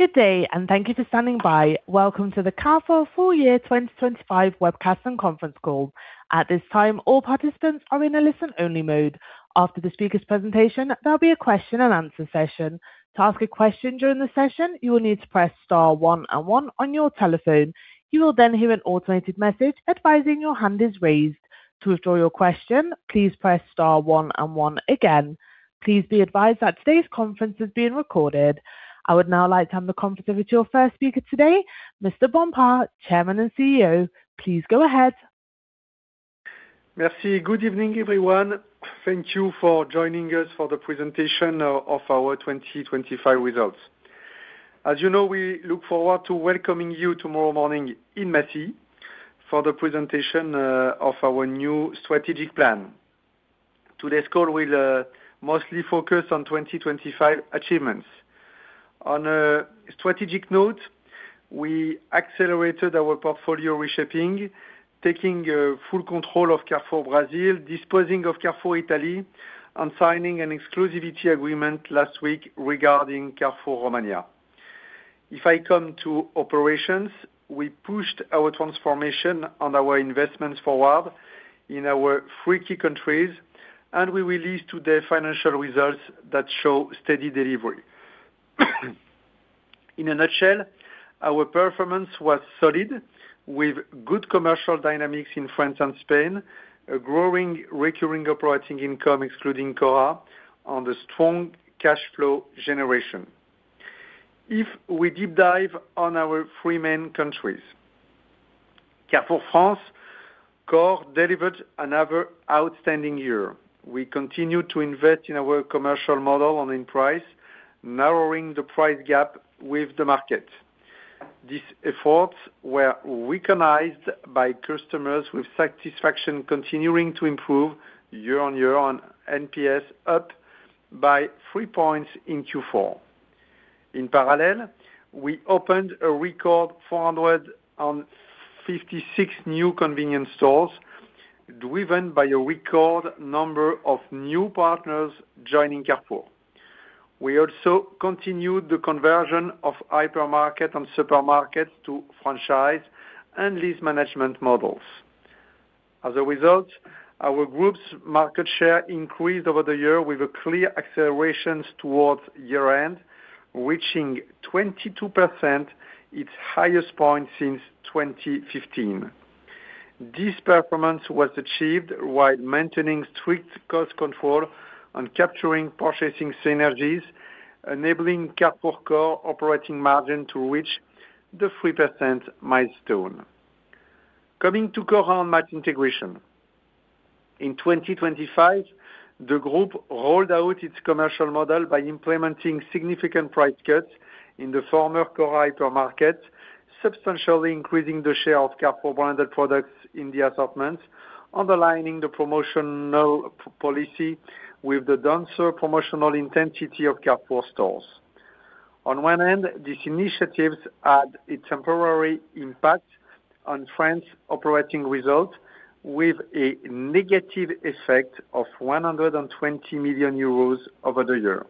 Good day, and thank you for standing by. Welcome to the Carrefour Full Year 2025 Webcast and Conference Call. At this time, all participants are in a listen-only mode. After the speaker's presentation, there'll be a question and answer session. To ask a question during the session, you will need to press star one and one on your telephone. You will then hear an automated message advising your hand is raised. To withdraw your question, please press star one and one again. Please be advised that today's conference is being recorded. I would now like to hand the conference over to your first speaker today, Mr. Bompard, Chairman and CEO. Please go ahead. Merci. Good evening, everyone. Thank you for joining us for the presentation of our 2025 results. As you know, we look forward to welcoming you tomorrow morning in Massy for the presentation of our new strategic plan. Today's call will mostly focus on 2025 achievements. On a strategic note, we accelerated our portfolio reshaping, taking full control of Carrefour Brazil, disposing of Carrefour Italy, and signing an exclusivity agreement last week regarding Carrefour Romania. If I come to operations, we pushed our transformation and our investments forward in our three key countries, and we will release today financial results that show steady delivery. In a nutshell, our performance was solid, with good commercial dynamics in France and Spain, a growing recurring operating income, excluding Cora, and a strong cash flow generation. If we deep dive on our three main countries, Carrefour France core delivered another outstanding year. We continue to invest in our commercial model and in price, narrowing the price gap with the market. These efforts were recognized by customers with satisfaction, continuing to improve year-on-year on NPS, up by 3 points in Q4. In parallel, we opened a record 456 new convenience stores, driven by a record number of new partners joining Carrefour. We also continued the conversion of hypermarket and supermarket to franchise and lease management models. As a result, our group's market share increased over the year with a clear accelerations towards year-end, reaching 22%, its highest point since 2015. This performance was achieved while maintaining strict cost control and capturing purchasing synergies, enabling Carrefour core operating margin to reach the 3% milestone. Coming to Cora Match integration. In 2025, the group rolled out its commercial model by implementing significant price cuts in the former Cora hypermarket, substantially increasing the share of Carrefour branded products in the assortment, underlining the promotional policy with the denser promotional intensity of Carrefour stores. On one end, these initiatives had a temporary impact on France operating results, with a negative effect of 120 million euros over the year.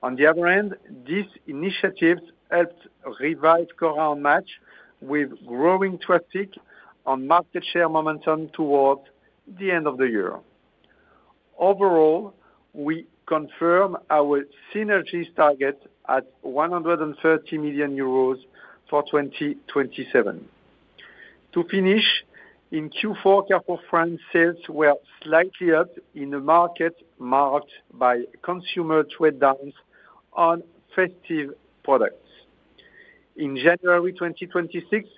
On the other hand, these initiatives helped revive Cora Match with growing traffic on market share momentum towards the end of the year. Overall, we confirm our synergies target at 130 million euros for 2027. To finish, in Q4, Carrefour France sales were slightly up in a market marked by consumer trade-downs on festive products. In January 2026,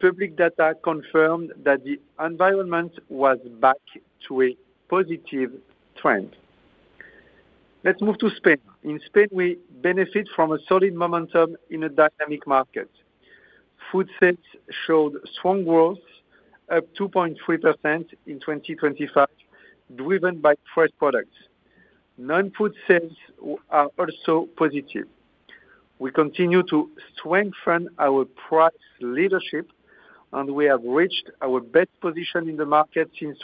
public data confirmed that the environment was back to a positive trend. Let's move to Spain. In Spain, we benefit from a solid momentum in a dynamic market. Food sales showed strong growth, up 2.3% in 2025, driven by fresh products. Non-food sales are also positive. We continue to strengthen our price leadership, and we have reached our best position in the market since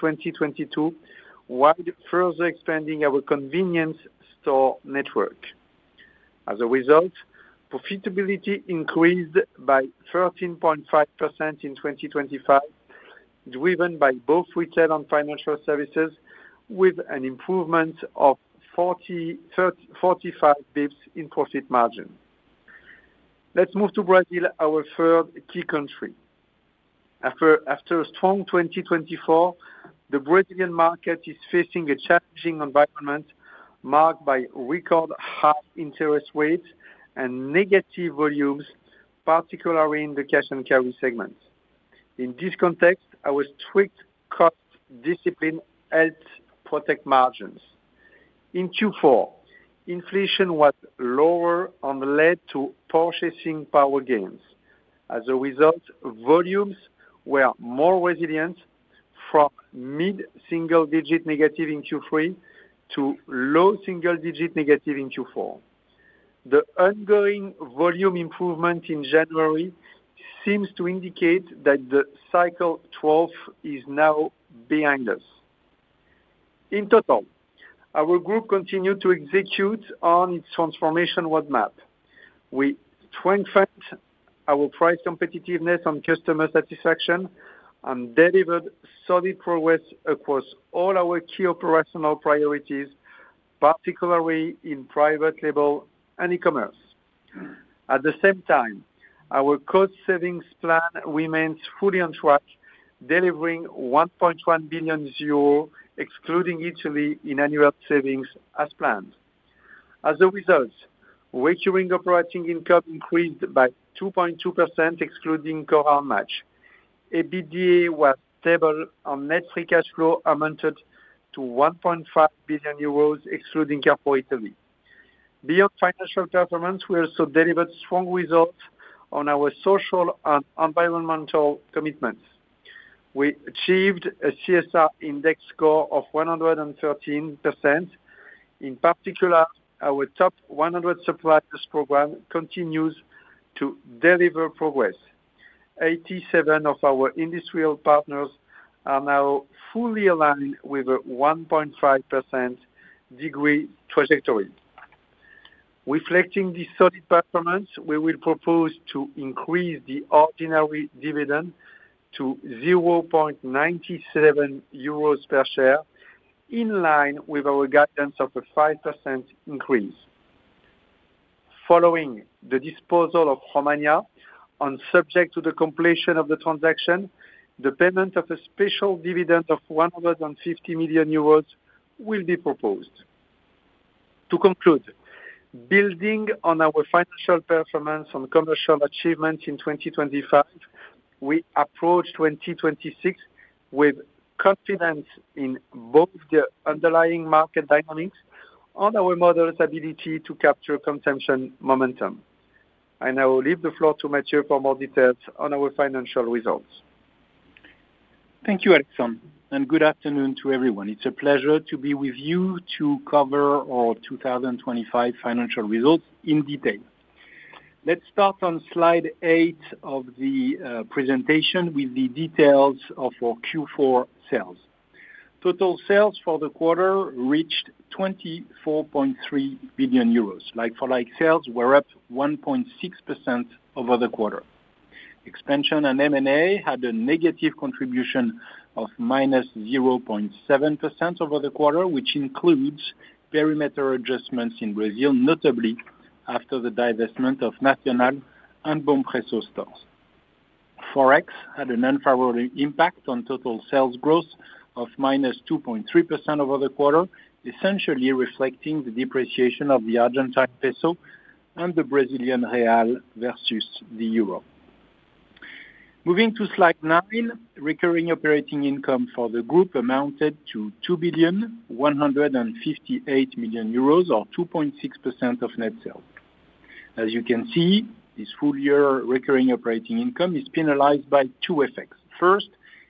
2022, while further expanding our convenience store network. As a result, profitability increased by 13.5% in 2025, driven by both retail and financial services, with an improvement of 45 basis points in profit margin. Let's move to Brazil, our third key country. After a strong 2024, the Brazilian market is facing a challenging environment marked by record high interest rates and negative volumes, particularly in the cash and carry segment. In this context, our strict cost discipline helped protect margins. In Q4, inflation was lower and led to purchasing power gains. As a result, volumes were more resilient from mid-single digit negative in Q3 to low single digit negative in Q4. The ongoing volume improvement in January seems to indicate that the cycle trough is now behind us. In total, our group continued to execute on its transformation roadmap. We strengthened our price competitiveness on customer satisfaction and delivered solid progress across all our key operational priorities, particularly in private label and e-commerce. At the same time, our cost savings plan remains fully on track, delivering 1.1 billion euro, excluding Italy, in annual savings as planned. As a result, recurring operating income increased by 2.2%, excluding Cora Match. EBITDA was stable, and net free cash flow amounted to 1.5 billion euros, excluding Carrefour Italy. Beyond financial performance, we also delivered strong results on our social and environmental commitments. We achieved a CSR Index score of 113%. In particular, our Top 100 Suppliers program continues to deliver progress. 87 of our industrial partners are now fully aligned with a 1.5 degree trajectory. Reflecting this solid performance, we will propose to increase the ordinary dividend to 0.97 euros per share, in line with our guidance of a 5% increase. Following the disposal of Romania, subject to the completion of the transaction, the payment of a special dividend of 150 million euros will be proposed. To conclude, building on our financial performance and commercial achievements in 2025, we approach 2026 with confidence in both the underlying market dynamics and our model's ability to capture consumption momentum.I now leave the floor to Matthieu for more details on our financial results. Thank you, Alexandre, and good afternoon to everyone. It's a pleasure to be with you to cover our 2025 financial results in detail. Let's start on slide 8 of the presentation with the details of our Q4 sales. Total sales for the quarter reached 24.3 billion euros. Like-for-like sales were up 1.6% over the quarter. Expansion and M&A had a negative contribution of -0.7% over the quarter, which includes perimeter adjustments in Brazil, notably after the divestment of Nacional and Bompreço stores. Forex had an unfavorable impact on total sales growth of -2.3% over the quarter, essentially reflecting the depreciation of the Argentine peso and the Brazilian real versus the euro. Moving to slide 9, recurring operating income for the group amounted to 2,158 million euros, or 2.6% of net sales. As you can see, this full year recurring operating income is penalized by two effects.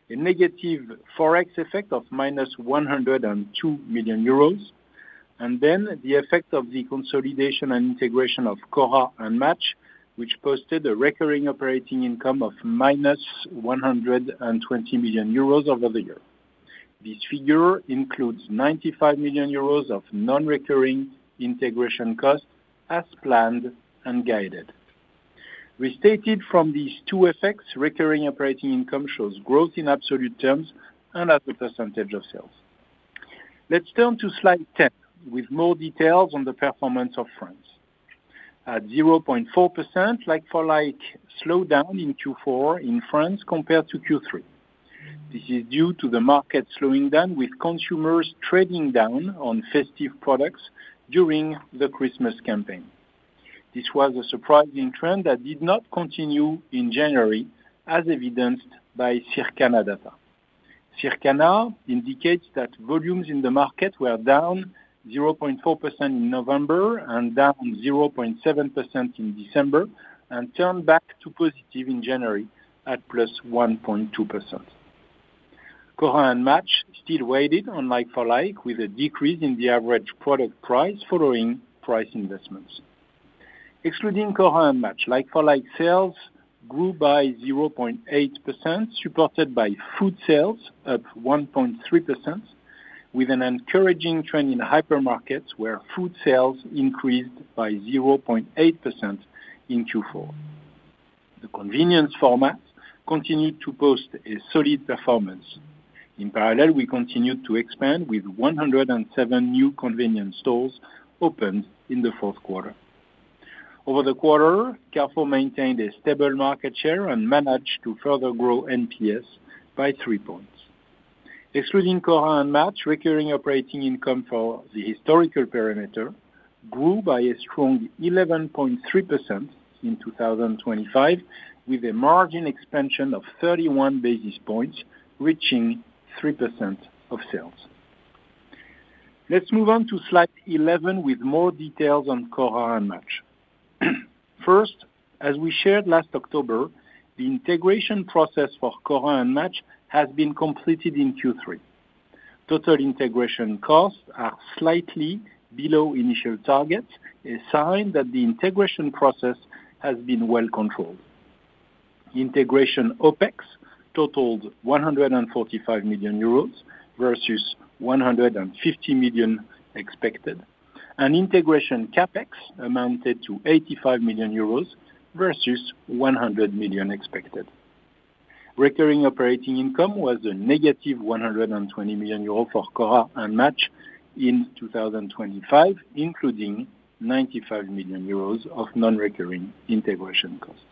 First, a negative Forex effect of -102 million euros, and then the effect of the consolidation and integration of Cora and Match, which posted a recurring operating income of -120 million euros over the year. This figure includes 95 million euros of non-recurring integration costs, as planned and guided. Restated from these two effects, recurring operating income shows growth in absolute terms and as a percentage of sales. Let's turn to slide 10 with more details on the performance of France. At 0.4%, like-for-like slowdown in Q4 in France compared to Q3. This is due to the market slowing down, with consumers trading down on festive products during the Christmas campaign. This was a surprising trend that did not continue in January, as evidenced by Circana data. Circana indicates that volumes in the market were down 0.4% in November and down 0.7% in December, and turned back to positive in January at +1.2%. Cora and Match still waited on like-for-like, with a decrease in the average product price following price investments. Excluding Cora and Match, like-for-like sales grew by 0.8%, supported by food sales up 1.3%, with an encouraging trend in hypermarkets, where food sales increased by 0.8% in Q4. The convenience format continued to post a solid performance. In parallel, we continued to expand with 107 new convenience stores opened in the fourth quarter. Over the quarter, Carrefour maintained a stable market share and managed to further grow NPS by 3 points. Excluding Cora and Match, recurring operating income for the historical perimeter grew by a strong 11.3% in 2025, with a margin expansion of 31 basis points, reaching 3% of sales. Let's move on to slide 11, with more details on Cora and Match. First, as we shared last October, the integration process for Cora and Match has been completed in Q3. Total integration costs are slightly below initial targets, a sign that the integration process has been well controlled. Integration OPEX totaled 145 million euros versus 150 million expected, and integration CapEx amounted to 85 million euros versus 100 million expected. Recurring operating income was -120 million euros for Cora and Match in 2025, including 95 million euros of non-recurring integration costs.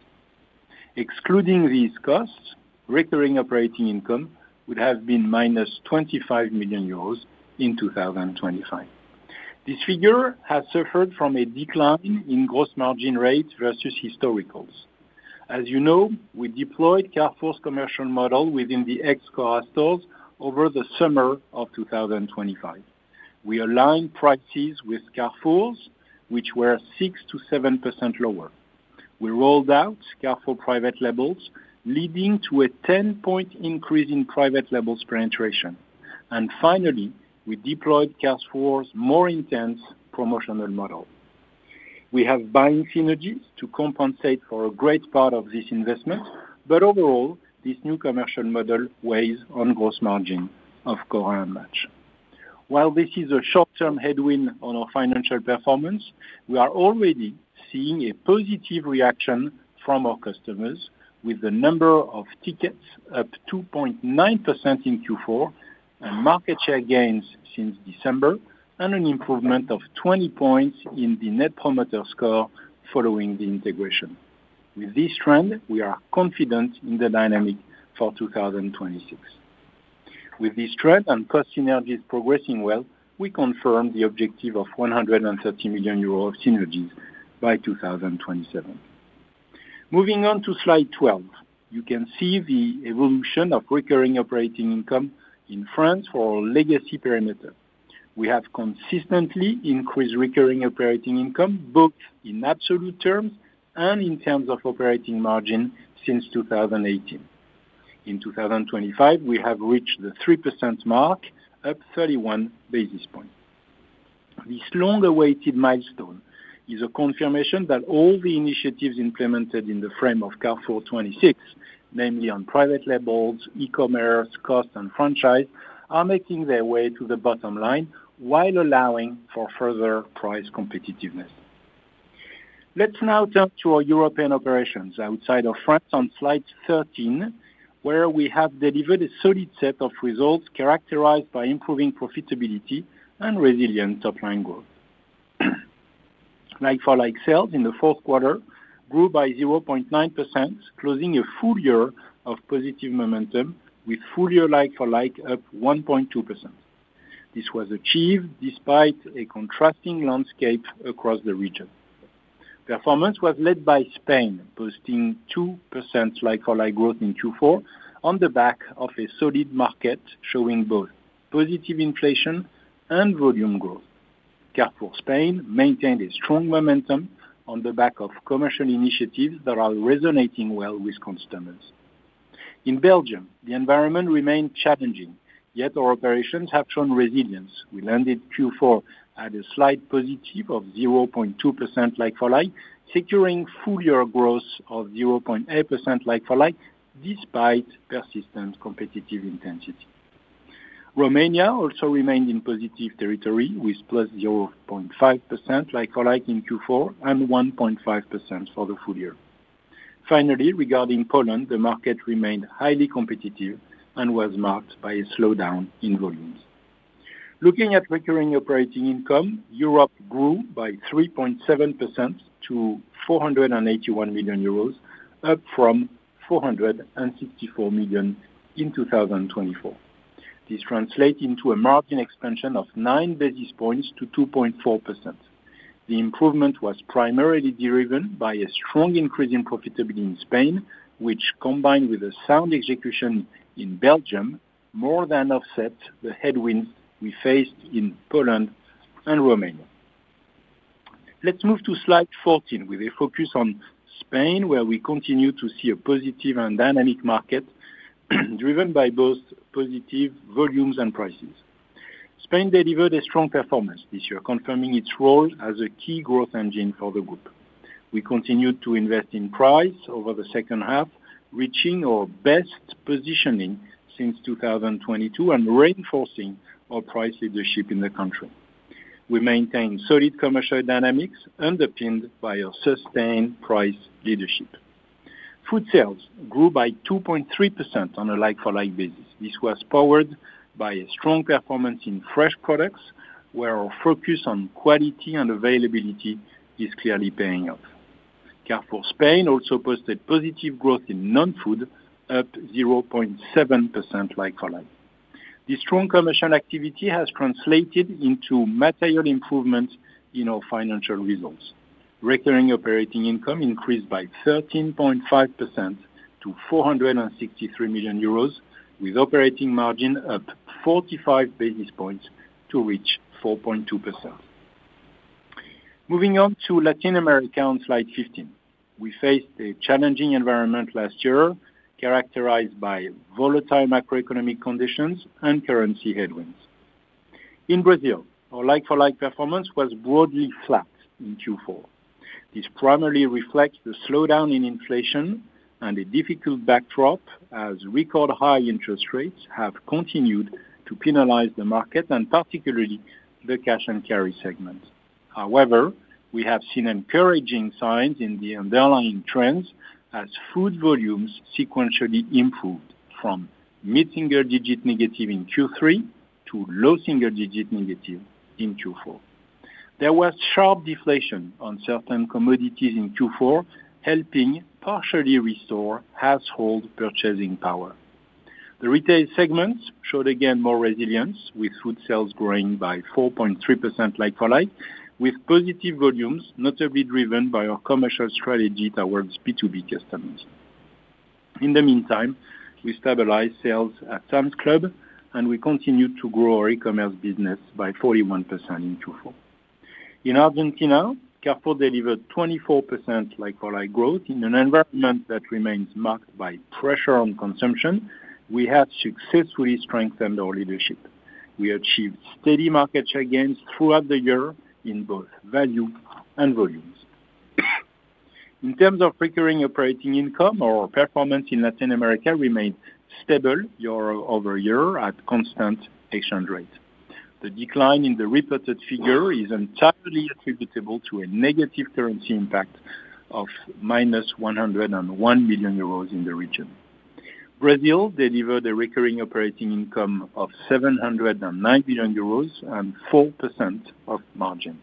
Excluding these costs, recurring operating income would have been -25 million euros in 2025. This figure has suffered from a decline in gross margin rates versus historicals. As you know, we deployed Carrefour's commercial model within the ex Cora stores over the summer of 2025. We aligned practices with Carrefour's, which were 6%-7% lower. We rolled out Carrefour private labels, leading to a 10-point increase in private labels penetration. And finally, we deployed Carrefour's more intense promotional model. We have buying synergies to compensate for a great part of this investment, but overall, this new commercial model weighs on gross margin of Cora and Match. While this is a short-term headwind on our financial performance, we are already seeing a positive reaction from our customers, with the number of tickets up 2.9% in Q4, and market share gains since December, and an improvement of 20 points in the Net Promoter Score following the integration. With this trend, we are confident in the dynamic for 2026. With this trend and cost synergies progressing well, we confirm the objective of 130 million euros of synergies by 2027. Moving on to Slide 12. You can see the evolution of recurring operating income in France for our legacy perimeter. We have consistently increased recurring operating income, both in absolute terms and in terms of operating margin since 2018. In 2025, we have reached the 3% mark, up 31 basis points. This long-awaited milestone is a confirmation that all the initiatives implemented in the frame of Carrefour 2026, namely on private labels, e-commerce, cost, and franchise, are making their way to the bottom line while allowing for further price competitiveness. Let's now turn to our European operations outside of France on Slide 13, where we have delivered a solid set of results characterized by improving profitability and resilient top-line growth. Like-for-like sales in the fourth quarter grew by 0.9%, closing a full year of positive momentum, with full-year like-for-like up 1.2%. This was achieved despite a contrasting landscape across the region. Performance was led by Spain, posting 2% like-for-like growth in Q4 on the back of a solid market, showing both positive inflation and volume growth. Carrefour Spain maintained a strong momentum on the back of commercial initiatives that are resonating well with customers. In Belgium, the environment remained challenging, yet our operations have shown resilience. We landed Q4 at a slight positive of 0.2% like-for-like, securing full year growth of 0.8% like-for-like, despite persistent competitive intensity. Romania also remained in positive territory, with +0.5% like-for-like in Q4 and 1.5% for the full year. Finally, regarding Poland, the market remained highly competitive and was marked by a slowdown in volumes. Looking at recurring operating income, Europe grew by 3.7% to 481 million euros, up from 464 million in 2024. This translates into a margin expansion of 9 basis points to 2.4%. The improvement was primarily driven by a strong increase in profitability in Spain, which, combined with a sound execution in Belgium, more than offset the headwinds we faced in Poland and Romania. Let's move to Slide 14, with a focus on Spain, where we continue to see a positive and dynamic market, driven by both positive volumes and prices. Spain delivered a strong performance this year, confirming its role as a key growth engine for the group. We continued to invest in price over the second half, reaching our best positioning since 2022 and reinforcing our price leadership in the country. We maintained solid commercial dynamics, underpinned by our sustained price leadership. Food sales grew by 2.3% on a Like-for-Like basis. This was powered by a strong performance in fresh products, where our focus on quality and availability is clearly paying off. Carrefour Spain also posted positive growth in non-food, up 0.7% Like-for-Like. This strong commercial activity has translated into material improvements in our financial results. Recurring Operating Income increased by 13.5% to 463 million euros, with operating margin up 45 basis points to reach 4.2%. Moving on to Latin America on Slide 15. We faced a challenging environment last year, characterized by volatile macroeconomic conditions and currency headwinds... In Brazil, our Like-for-Like performance was broadly flat in Q4. This primarily reflects the slowdown in inflation and a difficult backdrop, as record high interest rates have continued to penalize the market and particularly the cash and carry segment. However, we have seen encouraging signs in the underlying trends as food volumes sequentially improved from mid-single digit negative in Q3 to low single digit negative in Q4. There was sharp deflation on certain commodities in Q4, helping partially restore household purchasing power. The retail segment showed again more resilience, with food sales growing by 4.3% like-for-like, with positive volumes notably driven by our commercial strategy towards B2B customers. In the meantime, we stabilized sales at Sam's Club, and we continued to grow our e-commerce business by 41% in Q4. In Argentina, Carrefour delivered 24% like-for-like growth in an environment that remains marked by pressure on consumption; we have successfully strengthened our leadership. We achieved steady market share gains throughout the year in both value and volumes. In terms of recurring operating income, our performance in Latin America remained stable year-over-year at constant exchange rate. The decline in the reported figure is entirely attributable to a negative currency impact of -101 million euros in the region. Brazil delivered a recurring operating income of 709 million euros and 4% margin.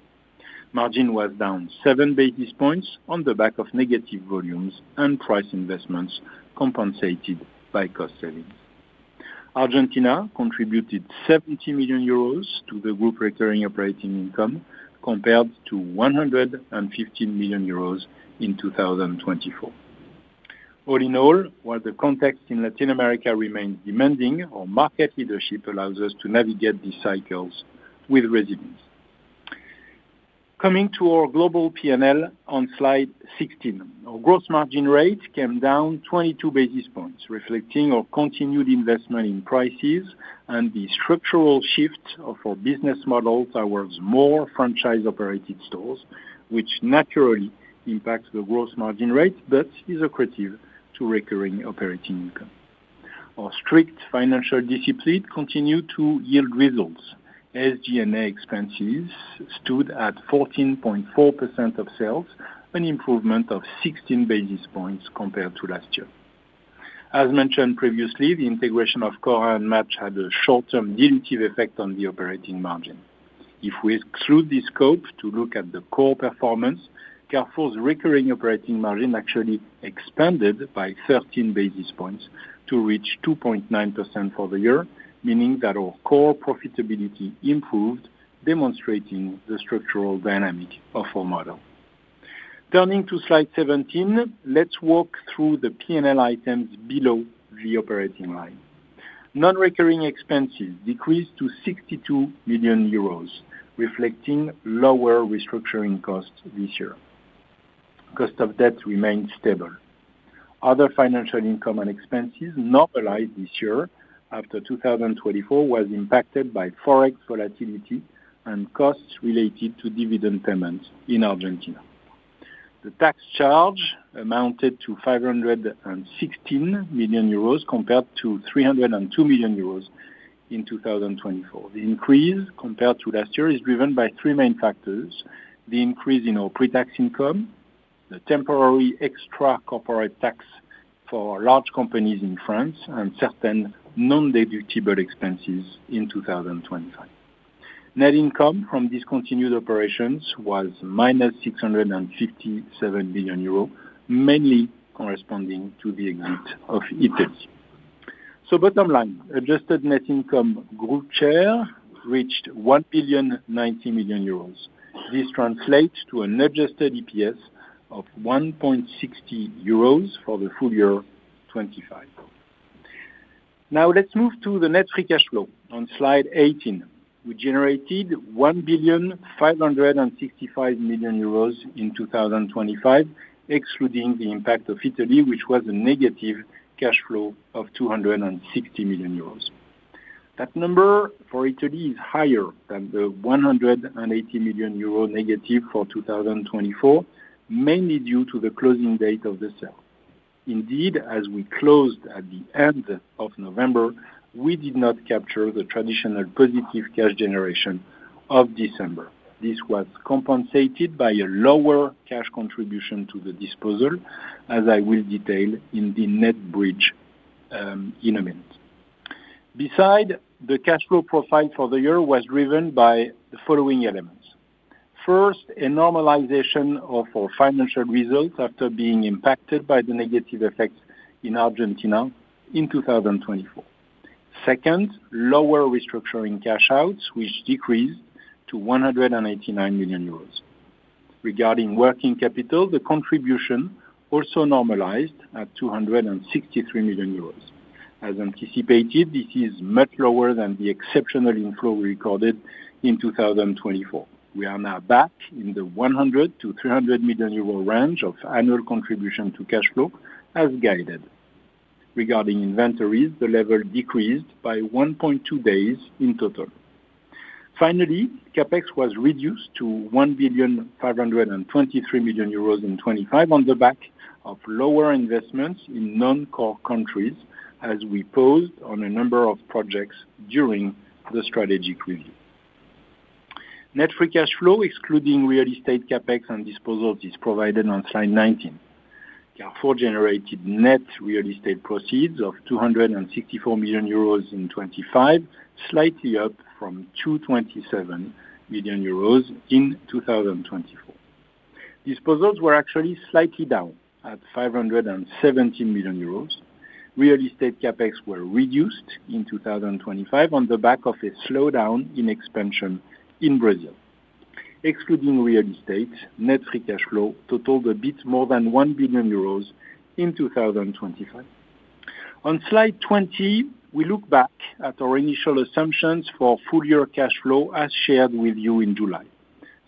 Margin was down seven basis points on the back of negative volumes and price investments, compensated by cost savings. Argentina contributed 70 million euros to the group recurring operating income, compared to 115 million euros in 2024. All in all, while the context in Latin America remains demanding, our market leadership allows us to navigate these cycles with resilience. Coming to our global P&L on slide 16. Our gross margin rate came down 22 basis points, reflecting our continued investment in prices and the structural shift of our business model towards more franchise-operated stores, which naturally impacts the gross margin rate, but is accretive to recurring operating income. Our strict financial discipline continued to yield results. SG&A expenses stood at 14.4% of sales, an improvement of 16 basis points compared to last year. As mentioned previously, the integration of Cora and Match had a short-term dilutive effect on the operating margin. If we exclude this scope to look at the core performance, Carrefour's recurring operating margin actually expanded by 13 basis points to reach 2.9% for the year, meaning that our core profitability improved, demonstrating the structural dynamic of our model. Turning to slide 17, let's walk through the P&L items below the operating line. Non-recurring expenses decreased to 62 million euros, reflecting lower restructuring costs this year. Cost of debt remained stable. Other financial income and expenses normalized this year after 2024, was impacted by Forex volatility and costs related to dividend payments in Argentina. The tax charge amounted to 516 million euros, compared to 302 million euros in 2024. The increase compared to last year is driven by three main factors: the increase in our pre-tax income, the temporary extra corporate tax for large companies in France, and certain non-deductible expenses in 2025. Net income from discontinued operations was -657 million euros, mainly corresponding to the exit of Italy. So bottom line, adjusted net income group share reached 1,090 million euros. This translates to an adjusted EPS of 1.60 euros for the full year 2025. Now, let's move to the net free cash flow on Slide 18. We generated 1,565 million euros in 2025, excluding the impact of Italy, which was a negative cash flow of 260 million euros. That number for Italy is higher than the 180 million euro negative for 2024, mainly due to the closing date of the sale. Indeed, as we closed at the end of November, we did not capture the traditional positive cash generation of December. This was compensated by a lower cash contribution to the disposal, as I will detail in the net bridge in a minute. Besides, the cash flow profile for the year was driven by the following elements. First, a normalization of our financial results after being impacted by the negative effects in Argentina in 2024. Second, lower restructuring cash outs, which decreased to 189 million euros. Regarding working capital, the contribution also normalized at 263 million euros. As anticipated, this is much lower than the exceptional inflow we recorded in 2024. We are now back in the 100 million-300 million euros range of annual contribution to cash flow as guided.... Regarding inventories, the level decreased by 1.2 days in total. Finally, CapEx was reduced to 1,523 million euros in 2025, on the back of lower investments in non-core countries, as we paused on a number of projects during the strategic review. Net free cash flow, excluding real estate CapEx and disposals, is provided on Slide 19. Carrefour generated net real estate proceeds of 264 million euros in 2025, slightly up from 227 million euros in 2024. Disposals were actually slightly down, at 570 million euros. Real estate CapEx were reduced in 2025 on the back of a slowdown in expansion in Brazil. Excluding real estate, net free cash flow totaled a bit more than 1 billion euros in 2025. On Slide 20, we look back at our initial assumptions for full year cash flow, as shared with you in July.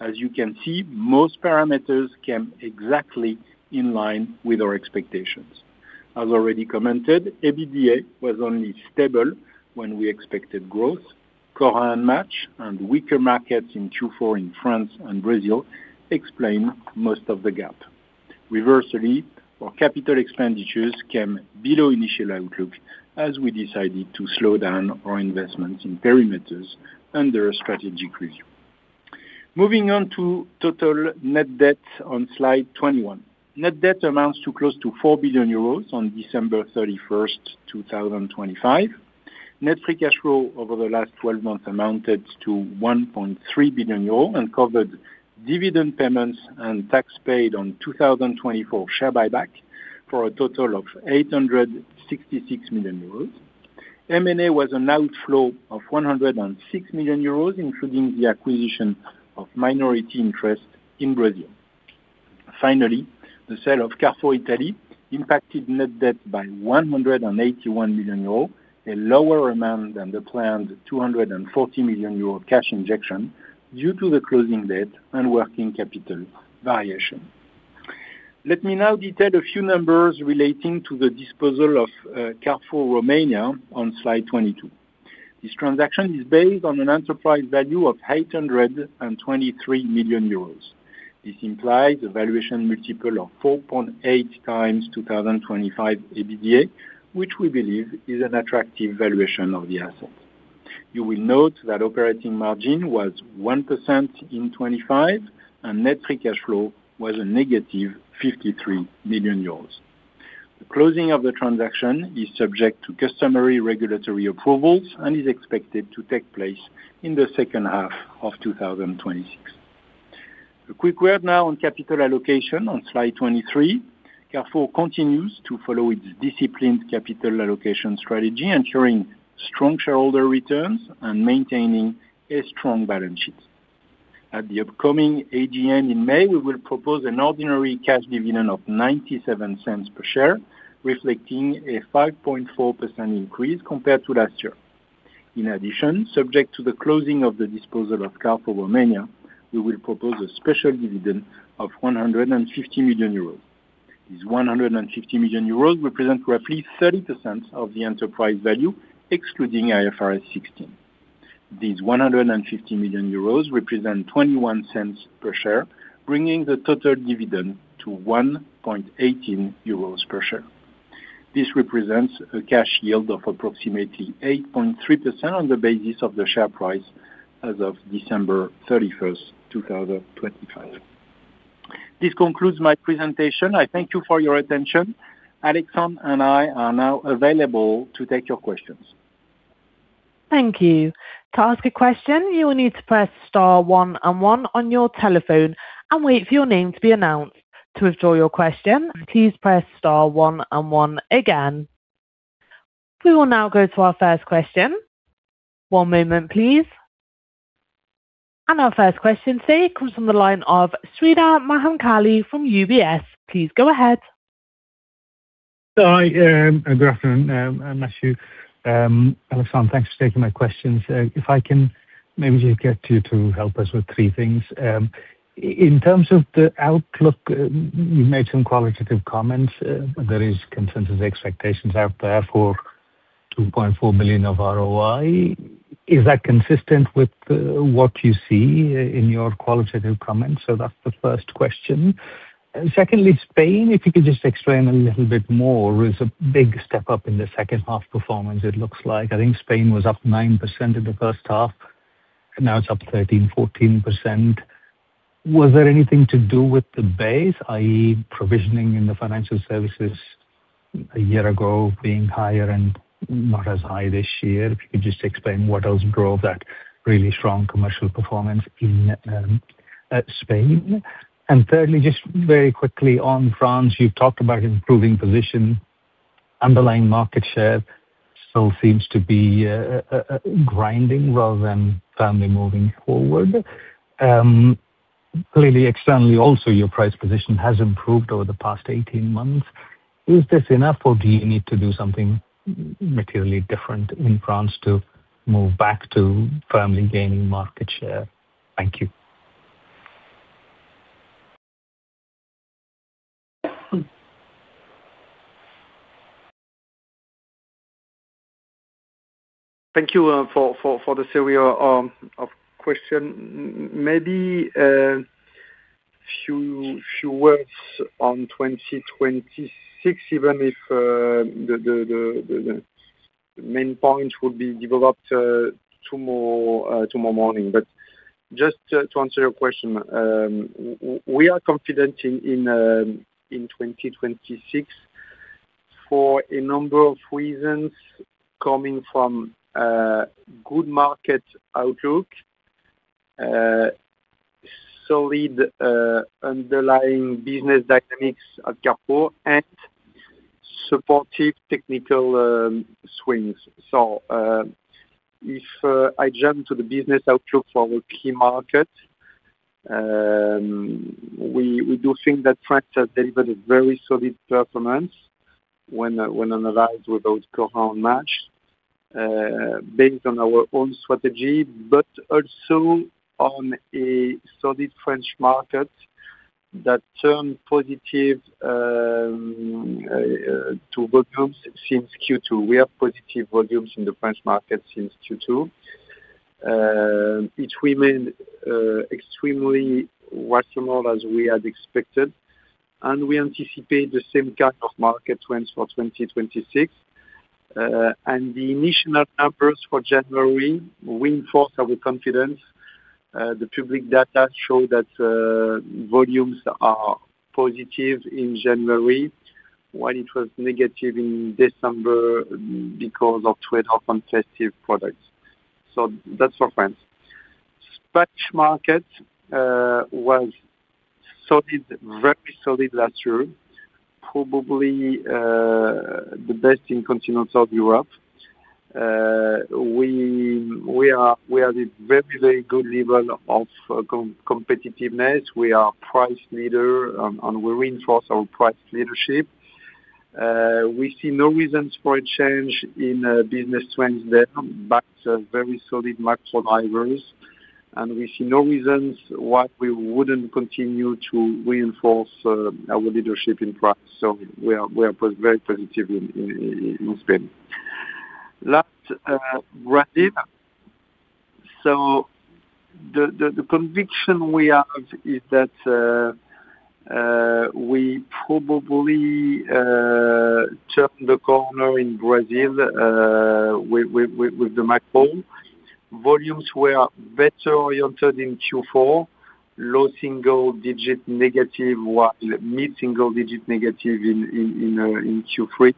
As you can see, most parameters came exactly in line with our expectations. As already commented, EBITDA was only stable when we expected growth. Cora and Match and weaker markets in Q4 in France and Brazil explain most of the gap. Conversely, our capital expenditures came below initial outlook, as we decided to slow down our investments in perimeters under a strategic review. Moving on to total net debt on slide 21. Net debt amounts to close to 4 billion euros on December 31, 2025. Net free cash flow over the last twelve months amounted to 1.3 billion euro and covered dividend payments and tax paid on 2024 share buyback, for a total of 866 million euros. M&A was an outflow of 106 million euros, including the acquisition of minority interest in Brazil. Finally, the sale of Carrefour Italy impacted net debt by 181 million euros, a lower amount than the planned 240 million euro cash injection, due to the closing debt and working capital variation. Let me now detail a few numbers relating to the disposal of Carrefour Romania on slide 22. This transaction is based on an enterprise value of 823 million euros. This implies a valuation multiple of 4.8x 2025 EBITDA, which we believe is an attractive valuation of the asset. You will note that operating margin was 1% in 2025, and net free cash flow was -53 million euros. The closing of the transaction is subject to customary regulatory approvals and is expected to take place in the second half of 2026. A quick word now on capital allocation on slide 23. Carrefour continues to follow its disciplined capital allocation strategy, ensuring strong shareholder returns and maintaining a strong balance sheet. At the upcoming AGM in May, we will propose an ordinary cash dividend of 0.97 per share, reflecting a 5.4% increase compared to last year. In addition, subject to the closing of the disposal of Carrefour Romania, we will propose a special dividend of 150 million euros. This 150 million euros represent roughly 30% of the enterprise value, excluding IFRS 16. These 150 million euros represent 0.21 per share, bringing the total dividend to 1.18 euros per share. This represents a cash yield of approximately 8.3% on the basis of the share price as of December 31, 2025. This concludes my presentation. I thank you for your attention. Alexandre and I are now available to take your questions. Thank you. To ask a question, you will need to press star one and one on your telephone and wait for your name to be announced. To withdraw your question, please press star one and one again. We will now go to our first question. One moment, please. Our first question today comes from the line of Sreeleatha Mahamkali from UBS. Please go ahead. Hi, and good afternoon, Matthieu, Alexandre, thanks for taking my questions. If I can maybe just get you to help us with three things. In terms of the outlook, you made some qualitative comments. There is consensus expectations out there for 2.4 million of ROI. Is that consistent with what you see in your qualitative comments? So that's the first question. And secondly, Spain, if you could just explain a little bit more, is a big step up in the second half performance, it looks like. I think Spain was up 9% in the first half, and now it's up 13%-14%. Was there anything to do with the base, i.e., provisioning in the financial services a year ago being higher and not as high this year? If you could just explain what else drove that really strong commercial performance in Spain. Thirdly, just very quickly on France, you've talked about improving position. Underlying market share still seems to be grinding rather than firmly moving forward. Clearly, externally also, your price position has improved over the past 18 months. Is this enough, or do you need to do something materially different in France to move back to firmly gaining market share? Thank you. Thank you for the series of question. Maybe few words on 2026, even if the main point will be developed tomorrow morning. But just to answer your question, we are confident in 2026 for a number of reasons coming from good market outlook, solid underlying business dynamics at Carrefour, and supportive technical swings. So, if I jump to the business outlook for our key market, we do think that France has delivered a very solid performance when analyzed with those current Match, based on our own strategy, but also on a solid French market that turned positive to volumes since Q2. We have positive volumes in the French market since Q2, which remained extremely rational as we had expected, and we anticipate the same kind of market trends for 2026. The initial numbers for January reinforce our confidence. The public data show that volumes are positive in January, when it was negative in December because of trade-off on festive products. So that's for France. Spanish market was solid, very solid last year, probably the best in continental Europe. We are at a very, very good level of competitiveness. We are price leader, and we reinforce our price leadership. We see no reasons for a change in business trends there, but very solid macro drivers. We see no reasons why we wouldn't continue to reinforce our leadership in price. So we are very positive in Spain. Last, Brazil. So the conviction we have is that we probably turned the corner in Brazil with the macro. Volumes were better oriented in Q4, low single-digit negative, while mid-single-digit negative in Q3.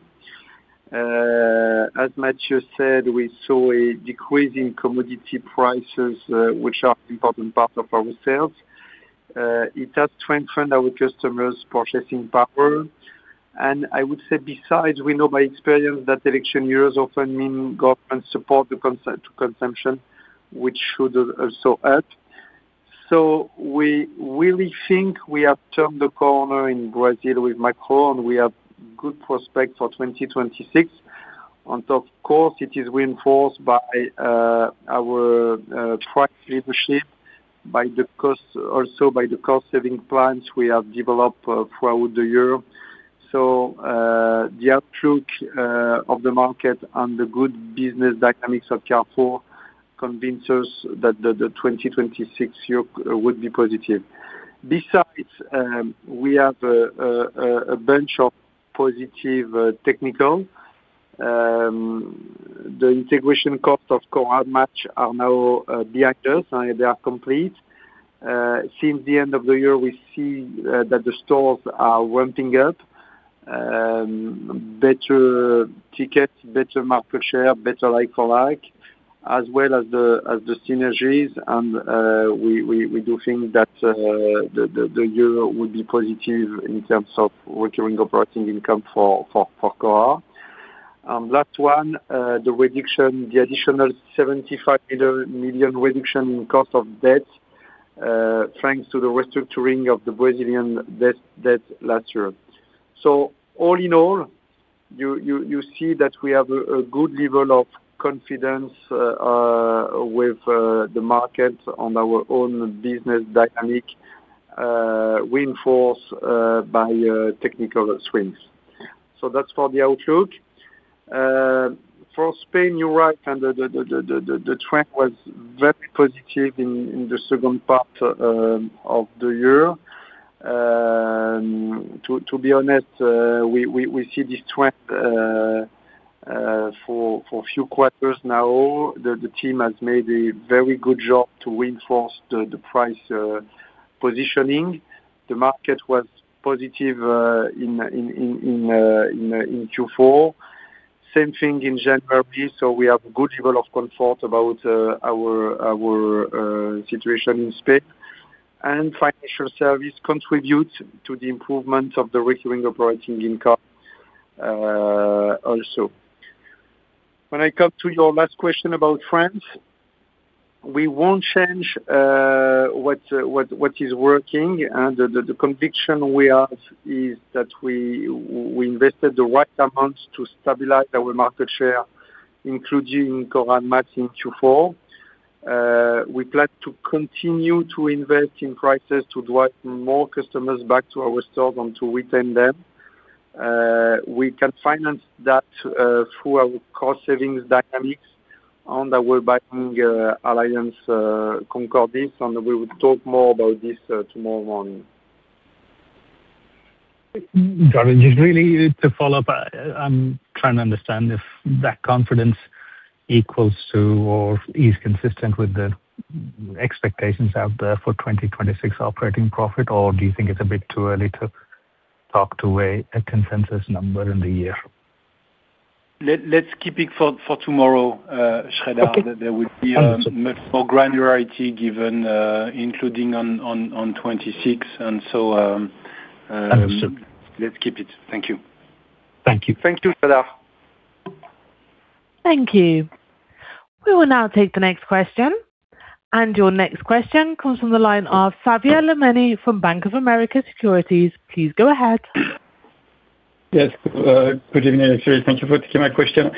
As Matthieu said, we saw a decrease in commodity prices, which are important part of our sales. It has strengthened our customers' purchasing power. And I would say, besides, we know by experience that election years often mean government support to consumption, which should also help. So we really think we have turned the corner in Brazil with macro, and we have good prospects for 2026. Of course, it is reinforced by our price leadership, by the cost, also by the cost-saving plans we have developed throughout the year. The outlook of the market and the good business dynamics of Carrefour convince us that the 2026 year would be positive. Besides, we have a bunch of positive technical. The integration costs of Cora Match are now behind us, and they are complete. Since the end of the year, we see that the stores are ramping up, better tickets, better market share, better like-for-like, as well as the synergies. We do think that the year would be positive in terms of recurring operating income for Cora. Last one, the reduction, the additional 75 million reduction in cost of debt, thanks to the restructuring of the Brazilian debt last year. So all in all, you see that we have a good level of confidence with the market on our own business dynamic, reinforced by technical swings. So that's for the outlook. For Spain, you're right, and the trend was very positive in the second part of the year. To be honest, we see this trend for a few quarters now. The team has made a very good job to reinforce the price positioning. The market was positive in Q4. Same thing in January, so we have good level of comfort about our situation in Spain. And financial service contributes to the improvement of the Recurring Operating Income, also. When I come to your last question about France, we won't change what is working, and the conviction we have is that we invested the right amount to stabilize our market share, including Cora Match in Q4. We plan to continue to invest in prices to drive more customers back to our stores and to retain them. We can finance that through our cost savings dynamics, and that we're buying conditions, and we will talk more about this tomorrow morning. Great, just really to follow up, I'm trying to understand if that confidence equals to or is consistent with the expectations out there for 2026 operating profit? Or do you think it's a bit too early to talk to weigh a consensus number in the year? Let's keep it for tomorrow, Sreeleatha. Okay. There will be much more granularity given, including on 26, and so. Understood. Let's keep it. Thank you. Thank you. Thank you, Sreeleatha. Thank you. We will now take the next question. And your next question comes from the line of Xavier Le Mené from Bank of America Securities. Please go ahead. Yes, good evening, everyone. Thank you for taking my question.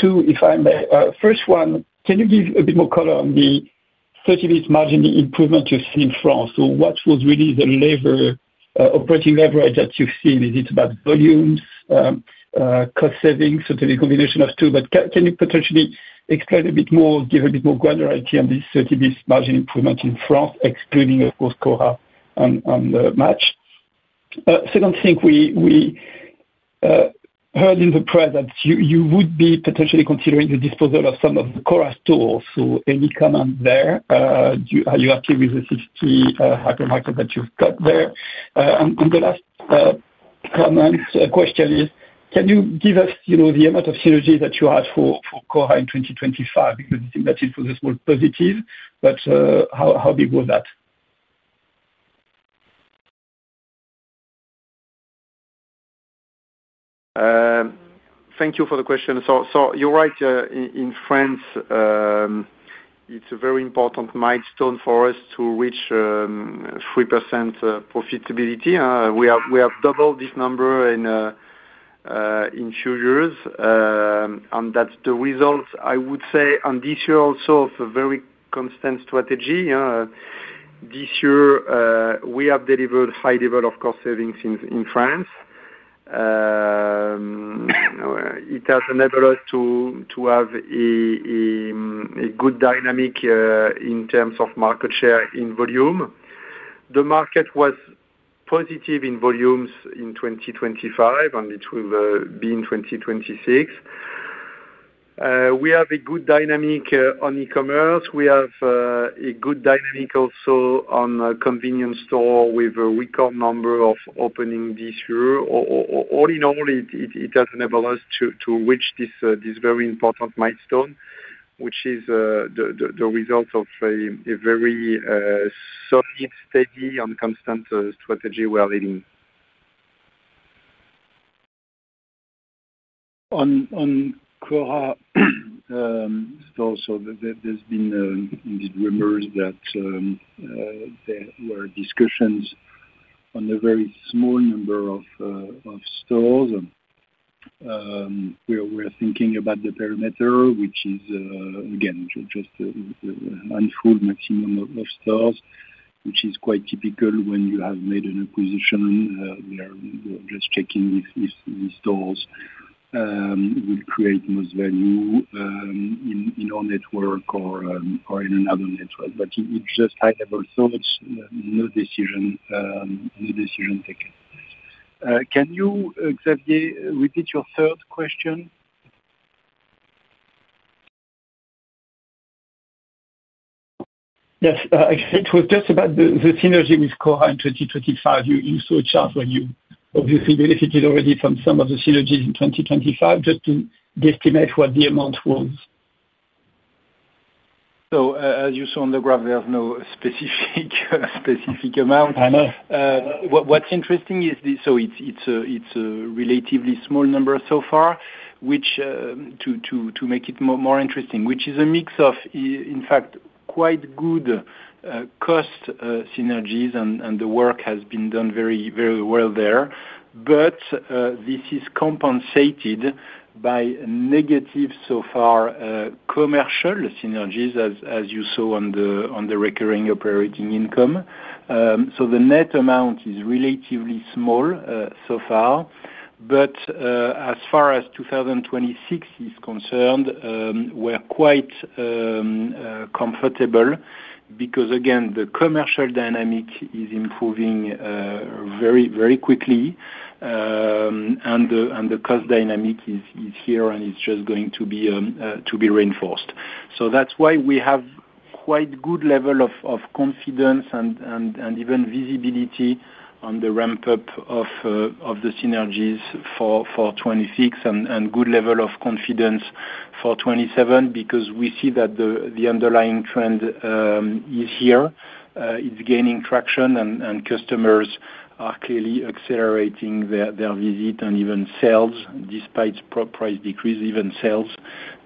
Two, if I may. First one, can you give a bit more color on the 30 basis margin improvement you've seen in France? So what was really the labor, operating leverage that you've seen? Is it about volumes, cost savings, so the combination of two, but can you potentially explain a bit more, give a bit more granularity on this 30 basis margin improvement in France, excluding, of course, Cora and Match? Second thing, we heard in the press that you would be potentially considering the disposal of some of the Cora stores. So any comment there? Are you happy with the 60 hypermarkets that you've got there? And the last comment, question is, can you give us, you know, the amount of synergies that you had for Cora in 2025? Because I think that it was more positive, but how big was that? Thank you for the question. So you're right, in France, it's a very important milestone for us to reach 3% profitability. We have doubled this number in two years. And that's the results, I would say, and this year also, of a very constant strategy. This year, we have delivered high level of cost savings in France. It has enabled us to have a good dynamic in terms of market share in volume. The market was positive in volumes in 2025, and it will be in 2026. We have a good dynamic on e-commerce. We have a good dynamic also on a convenience store with a weaker number of opening this year. All in all, it has enabled us to reach this very important milestone, which is the results of a very solid, steady and constant strategy we are leading. On Cora, there has been indeed rumors that there were discussions on a very small number of stores. We are thinking about the parameter, which is again just a handful maximum of stores, which is quite typical when you have made an acquisition. We are just checking if these stores will create most value in our network or in another network. But it's just high level, so it's no decision, no decision taken. Can you, Xavier, repeat your third question? Yes. It was just about the synergy with Cora in 2025. You saw a chart where you obviously benefited already from some of the synergies in 2025, just to guesstimate what the amount was. So as you saw on the graph, there's no specific amount. I know. What's interesting is the... So it's a relatively small number so far, which to make it more interesting, which is a mix of in fact quite good cost synergies, and the work has been done very well there. But this is compensated by negative so far commercial synergies, as you saw on the Recurring Operating Income. So the net amount is relatively small so far, but as far as 2026 is concerned, we're quite comfortable, because again, the commercial dynamic is improving very quickly. And the cost dynamic is here, and it's just going to be reinforced. So that's why we have quite good level of confidence and even visibility on the ramp-up of the synergies for 2026 and good level of confidence for 2027, because we see that the underlying trend is here. It's gaining traction and customers are clearly accelerating their visit and even sales, despite pro-price decrease, even sales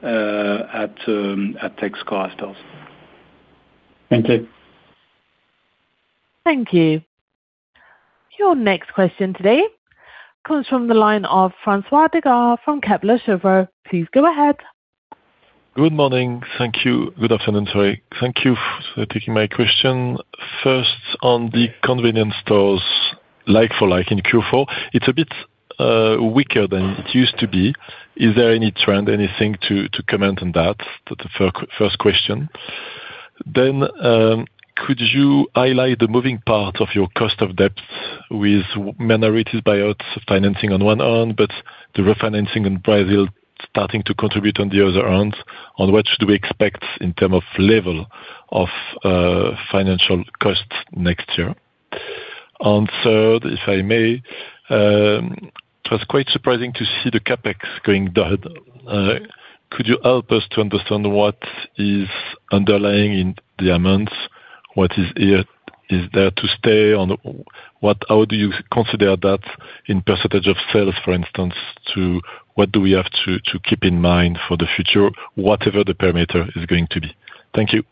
at ex-Cora stores. Thank you. Thank you. Your next question today comes from the line of François Digard from Kepler Cheuvreux. Please go ahead. Good morning. Thank you. Good afternoon, sorry. Thank you for taking my question. First, on the convenience stores, like for like in Q4, it's a bit weaker than it used to be. Is there any trend, anything to comment on that? That's the first question. Then, could you highlight the moving part of your cost of debt with minority buyouts, financing on one hand, but the refinancing in Brazil starting to contribute on the other hand, on what should we expect in term of level of financial costs next year? And third, if I may, it was quite surprising to see the CapEx going down. Could you help us to understand what is underlying in the amounts? What is it? Is there to stay on? How do you consider that in percentage of sales, for instance? To what do we have to keep in mind for the future, whatever the parameter is going to be? Thank you.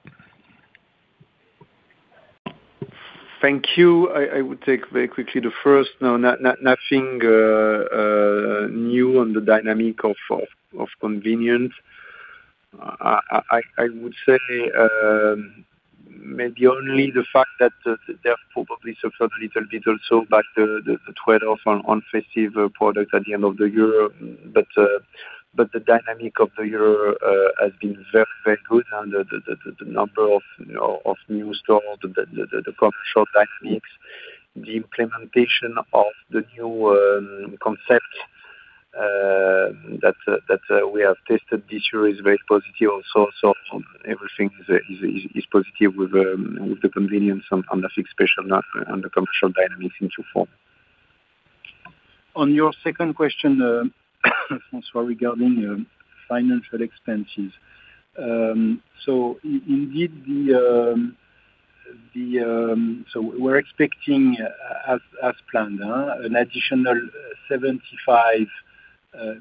Thank you. I would take very quickly the first. No, nothing new on the dynamic of convenience. I would say, maybe only the fact that they have probably suffered a little bit also, but the trade-off on festive products at the end of the year. But the dynamic of the year has been very, very good. And the number of, you know, of new stores, the commercial dynamics, the implementation of the new concept that we have tested this year is very positive also. So everything is positive with the convenience on the fixed special, on the commercial dynamics in Q4. On your second question, François, regarding financial expenses. So indeed, we're expecting, as planned, an additional 75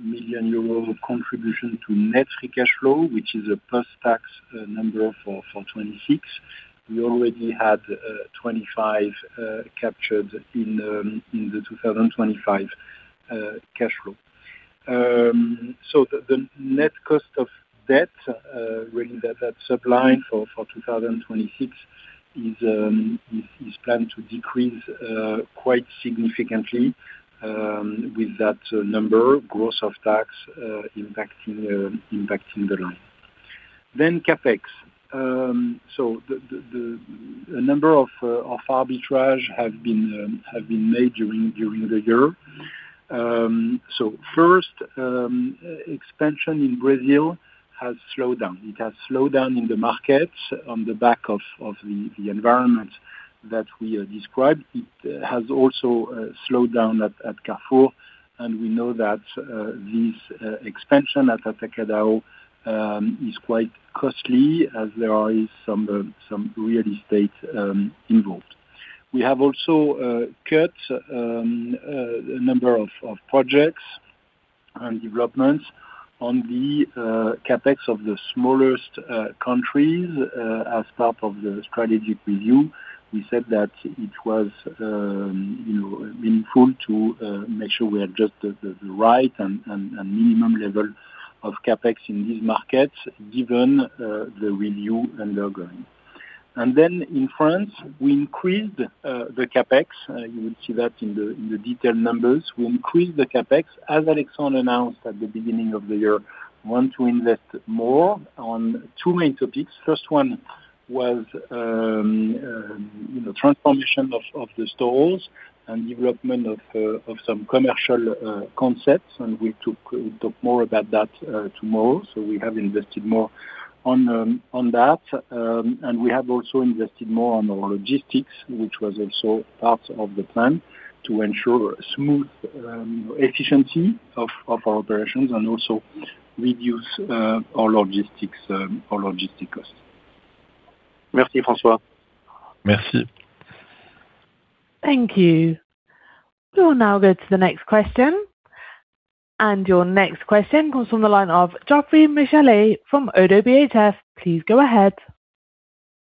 million euro contribution to Net Free Cash Flow, which is a post-tax number for 2026. We already had 25 million captured in the 2025 cash flow. So the net cost of debt really that supply for 2026 is planned to decrease quite significantly with that number, gross of tax, impacting the line. Then CapEx. So a number of arbitrage have been made during the year. So first, expansion in Brazil has slowed down. It has slowed down in the markets on the back of the environment that we described. It has also slowed down at Carrefour, and we know that this expansion at Atacadão is quite costly, as there are some real estate involved. We have also cut a number of projects and developments on the CapEx of the smallest countries as part of the strategic review. We said that it was, you know, meaningful to make sure we adjust the right and minimum level of CapEx in these markets, given the review ongoing. And then in France, we increased the CapEx. You will see that in the detailed numbers. We increased the CapEx, as Alexandre announced at the beginning of the year, want to invest more on two main topics. First one was, you know, transformation of the stores, and development of some commercial concepts, and we took, we talk more about that tomorrow. So we have invested more on that. And we have also invested more on our logistics, which was also part of the plan, to ensure smooth efficiency of our operations and also reduce our logistic costs. Merci, François. Merci. Thank you. We will now go to the next question. Your next question comes from the line of Geoffroy Michalet from Oddo BHF. Please go ahead.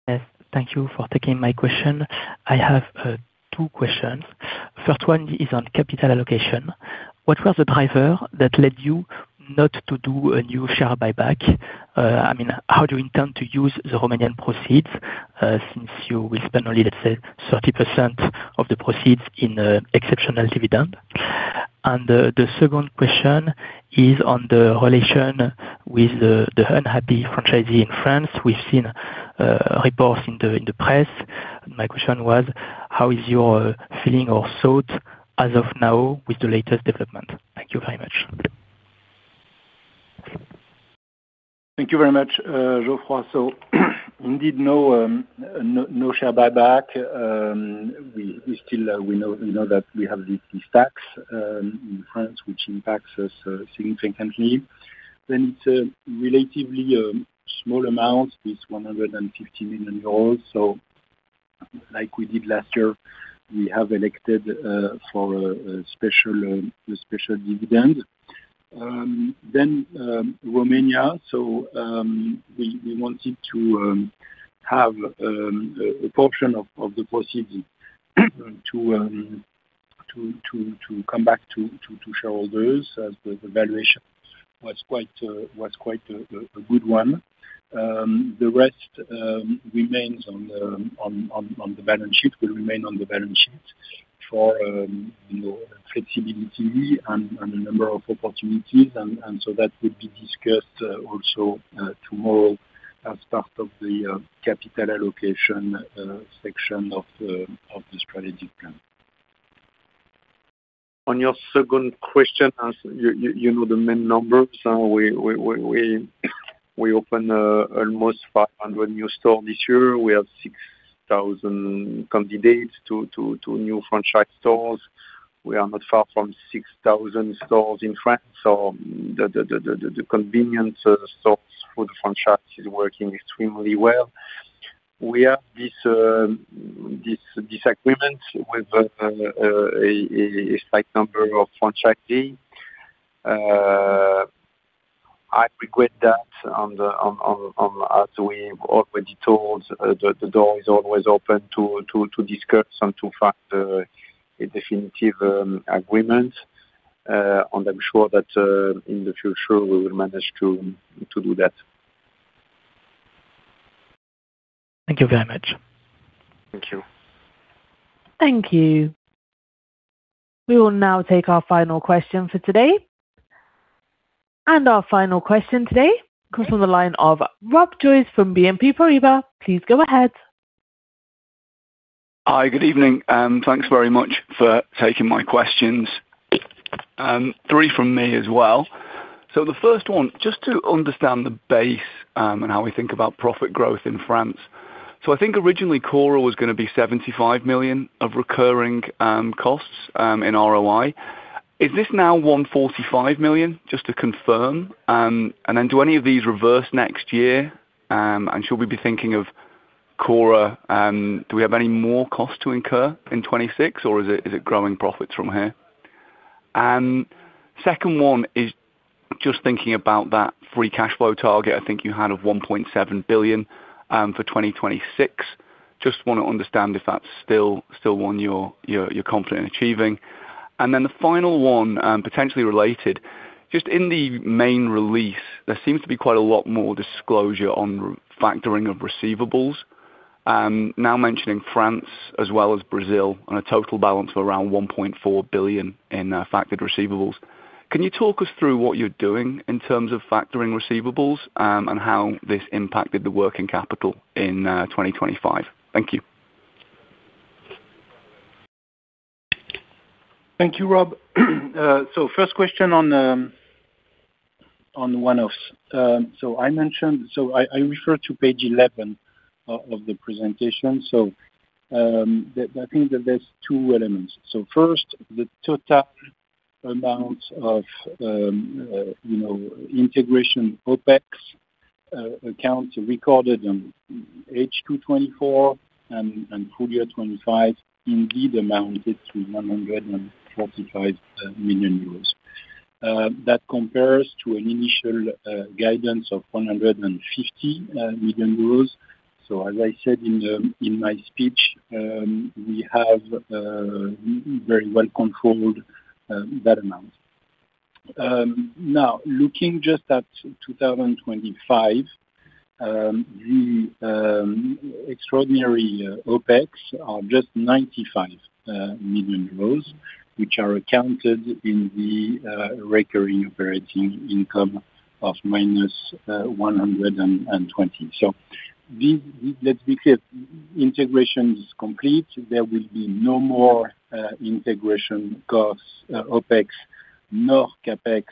Yes, thank you for taking my question. I have two questions. First one is on capital allocation. What was the driver that led you not to do a new share buyback? I mean, how do you intend to use the Romanian proceeds, since you will spend only, let's say, 30% of the proceeds in exceptional dividend? The second question is on the relation with the unhappy franchisee in France. We've seen reports in the press. My question was, how is your feeling or thought as of now with the latest development? Thank you very much. Thank you very much, Geoffroy. So indeed, no share buyback. We still know that we have this tax in France, which impacts us significantly. Then it's a relatively small amount, it's 150 million euros. So like we did last year, we have elected for a special dividend. Then Romania, so we wanted to have a portion of the proceeds to come back to shareholders, as the valuation was quite a good one. The rest remains on the balance sheet, will remain on the balance sheet for you know, flexibility and a number of opportunities. So that would be discussed also tomorrow as part of the capital allocation section of the strategic plan. On your second question, as you know the main numbers, we opened almost 500 new stores this year. We have 6,000 candidates to new franchise stores. We are not far from 6,000 stores in France, so the convenience stores for the franchise is working extremely well. We have this agreement with a significant number of franchisee. I regret that, as we've already told, the door is always open to discuss and to find a definitive agreement. I'm sure that in the future, we will manage to do that. Thank you very much. Thank you. Thank you. We will now take our final question for today. Our final question today comes from the line of Rob Joyce from BNP Paribas. Please go ahead. Hi, good evening, and thanks very much for taking my questions. Three from me as well. So the first one, just to understand the base, and how we think about profit growth in France. So I think originally, Cora was gonna be 75 million of recurring costs in ROI. Is this now 145 million? Just to confirm. And then do any of these reverse next year, and should we be thinking of Cora, and do we have any more cost to incur in 2026, or is it growing profits from here? And second one is just thinking about that free cash flow target, I think you had of 1.7 billion for 2026. Just wanna understand if that's still one you're confident in achieving. And then the final one, potentially related, just in the main release, there seems to be quite a lot more disclosure on factoring of receivables. Now mentioning France as well as Brazil, on a total balance of around 1.4 billion in factored receivables. Can you talk us through what you're doing in terms of factoring receivables, and how this impacted the working capital in 2025? Thank you. Thank you, Rob. So first question on one of, so I refer to page 11 of the presentation. So, I think that there's two elements. So first, the total amount of, you know, integration OPEX accounts recorded on H2 2024 and full year 2025 indeed amounted to EUR 145 million. That compares to an initial guidance of 150 million euros. So as I said in my speech, we have very well controlled that amount. Now, looking just at 2025, the extraordinary OPEX are just 95 million euros, which are accounted in the recurring operating income of -120 million. So let's be clear, integration is complete. There will be no more integration costs, OPEX, nor CapEx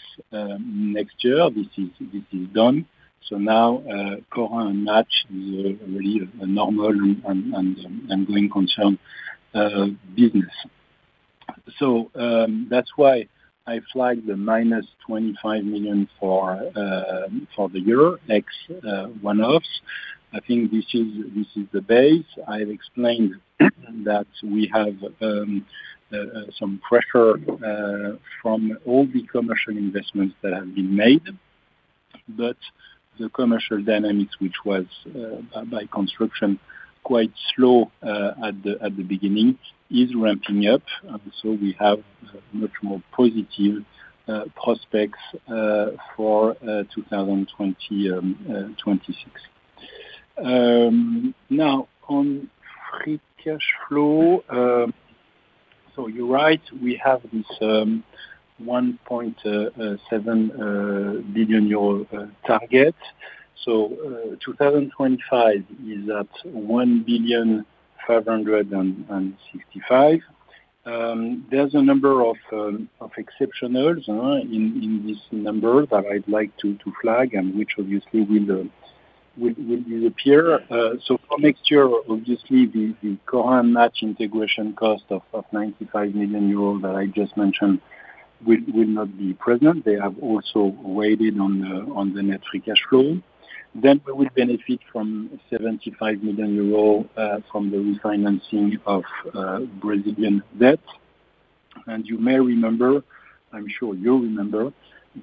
next year. This is done. So now, current Match is really a normal and going concern business. So that's why I flagged the -25 million for the euro next one-offs. I think this is the base. I've explained that we have some pressure from all the commercial investments that have been made. But the commercial dynamics, which was by construction quite slow at the beginning, is ramping up. So we have much more positive prospects for 2020-2026. Now, on free cash flow, so you're right, we have this 1.7 billion euro target. So, 2025 is at 1.565 billion. There's a number of exceptionals in this number that I'd like to flag, and which obviously will appear. So for next year, obviously, the current Match integration cost of 95 million euros that I just mentioned, will not be present. They have also weighed on the net free cash flow. Then we will benefit from 75 million euros from the refinancing of Brazilian debt. And you may remember, I'm sure you remember,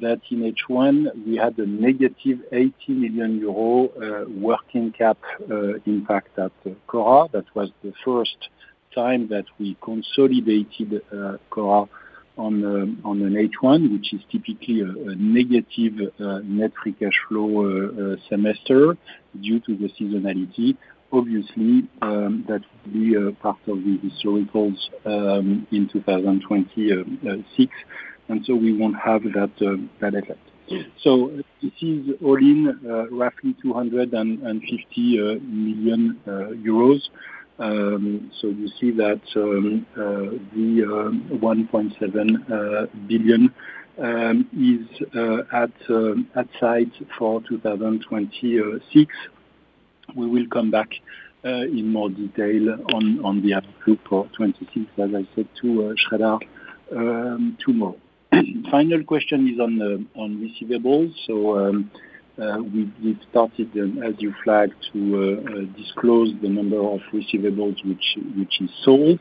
that in H1, we had a -80 million euro working cap impact at Cora. That was the first time that we consolidated Cora on an H1, which is typically a negative net free cash flow semester due to the seasonality. Obviously, that'll be a part of the historicals in 2026, and so we won't have that effect. So this is all in roughly 250 million euros. So you see that the 1.7 billion is at target for 2026. We will come back in more detail on the plan for '26, as I said to you, tomorrow. Final question is on the receivables. So, we've started, as you flagged, to disclose the number of receivables which is sold.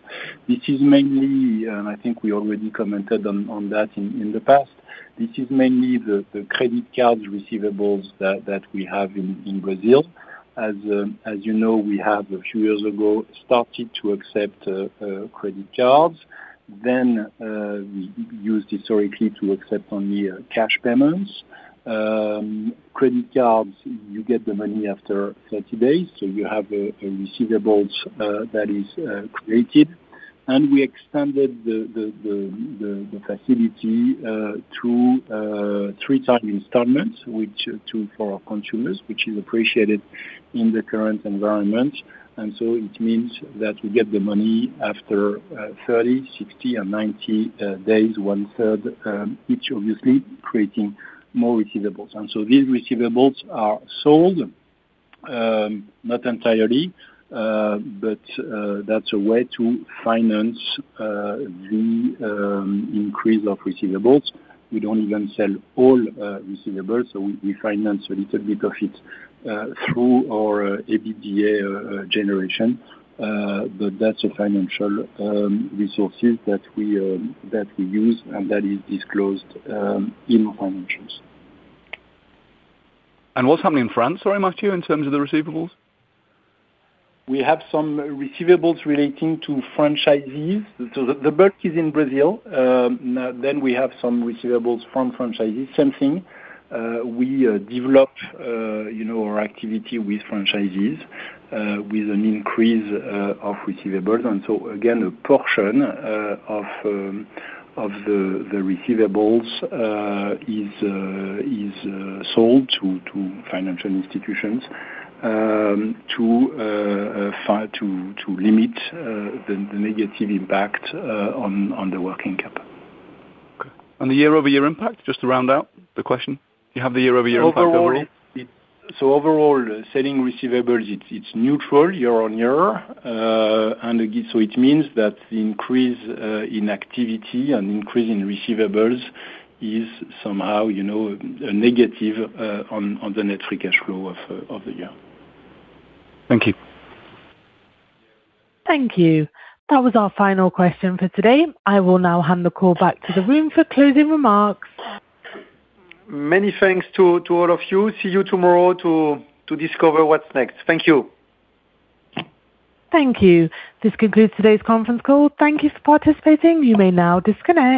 This is mainly, and I think we already commented on that in the past. This is mainly the credit card receivables that we have in Brazil. As you know, we have a few years ago started to accept credit cards. Then, we used historically to accept only cash payments. Credit cards, you get the money after 30 days, so you have a receivables that is created. And we extended the facility to three type installments, which to, for our consumers, which is appreciated in the current environment. It means that we get the money after 30, 60 and 90 days, one third each obviously creating more receivables. These receivables are sold, not entirely, but that's a way to finance the increase of receivables. We don't even sell all receivables, so we finance a little bit of it through our EBITDA generation. But that's a financial resource that we use, and that is disclosed in financials. What's happening in France, sorry, Matthieu, in terms of the receivables? We have some receivables relating to franchisees, so the bulk is in Brazil. Then we have some receivables from franchisees, same thing. We developed, you know, our activity with franchisees, with an increase of receivables. And so again, a portion of the receivables is sold to financial institutions, to limit the negative impact on the working capital. Okay. On the year-over-year impact, just to round out the question, you have the year-over-year impact already? So overall, selling receivables, it's neutral year-on-year. And so it means that the increase in activity and increase in receivables is somehow, you know, a negative on the Net Free Cash Flow of the year. Thank you. Thank you. That was our final question for today. I will now hand the call back to the room for closing remarks. Many thanks to all of you. See you tomorrow to discover what's next. Thank you. Thank you. This concludes today's conference call. Thank you for participating, you may now disconnect.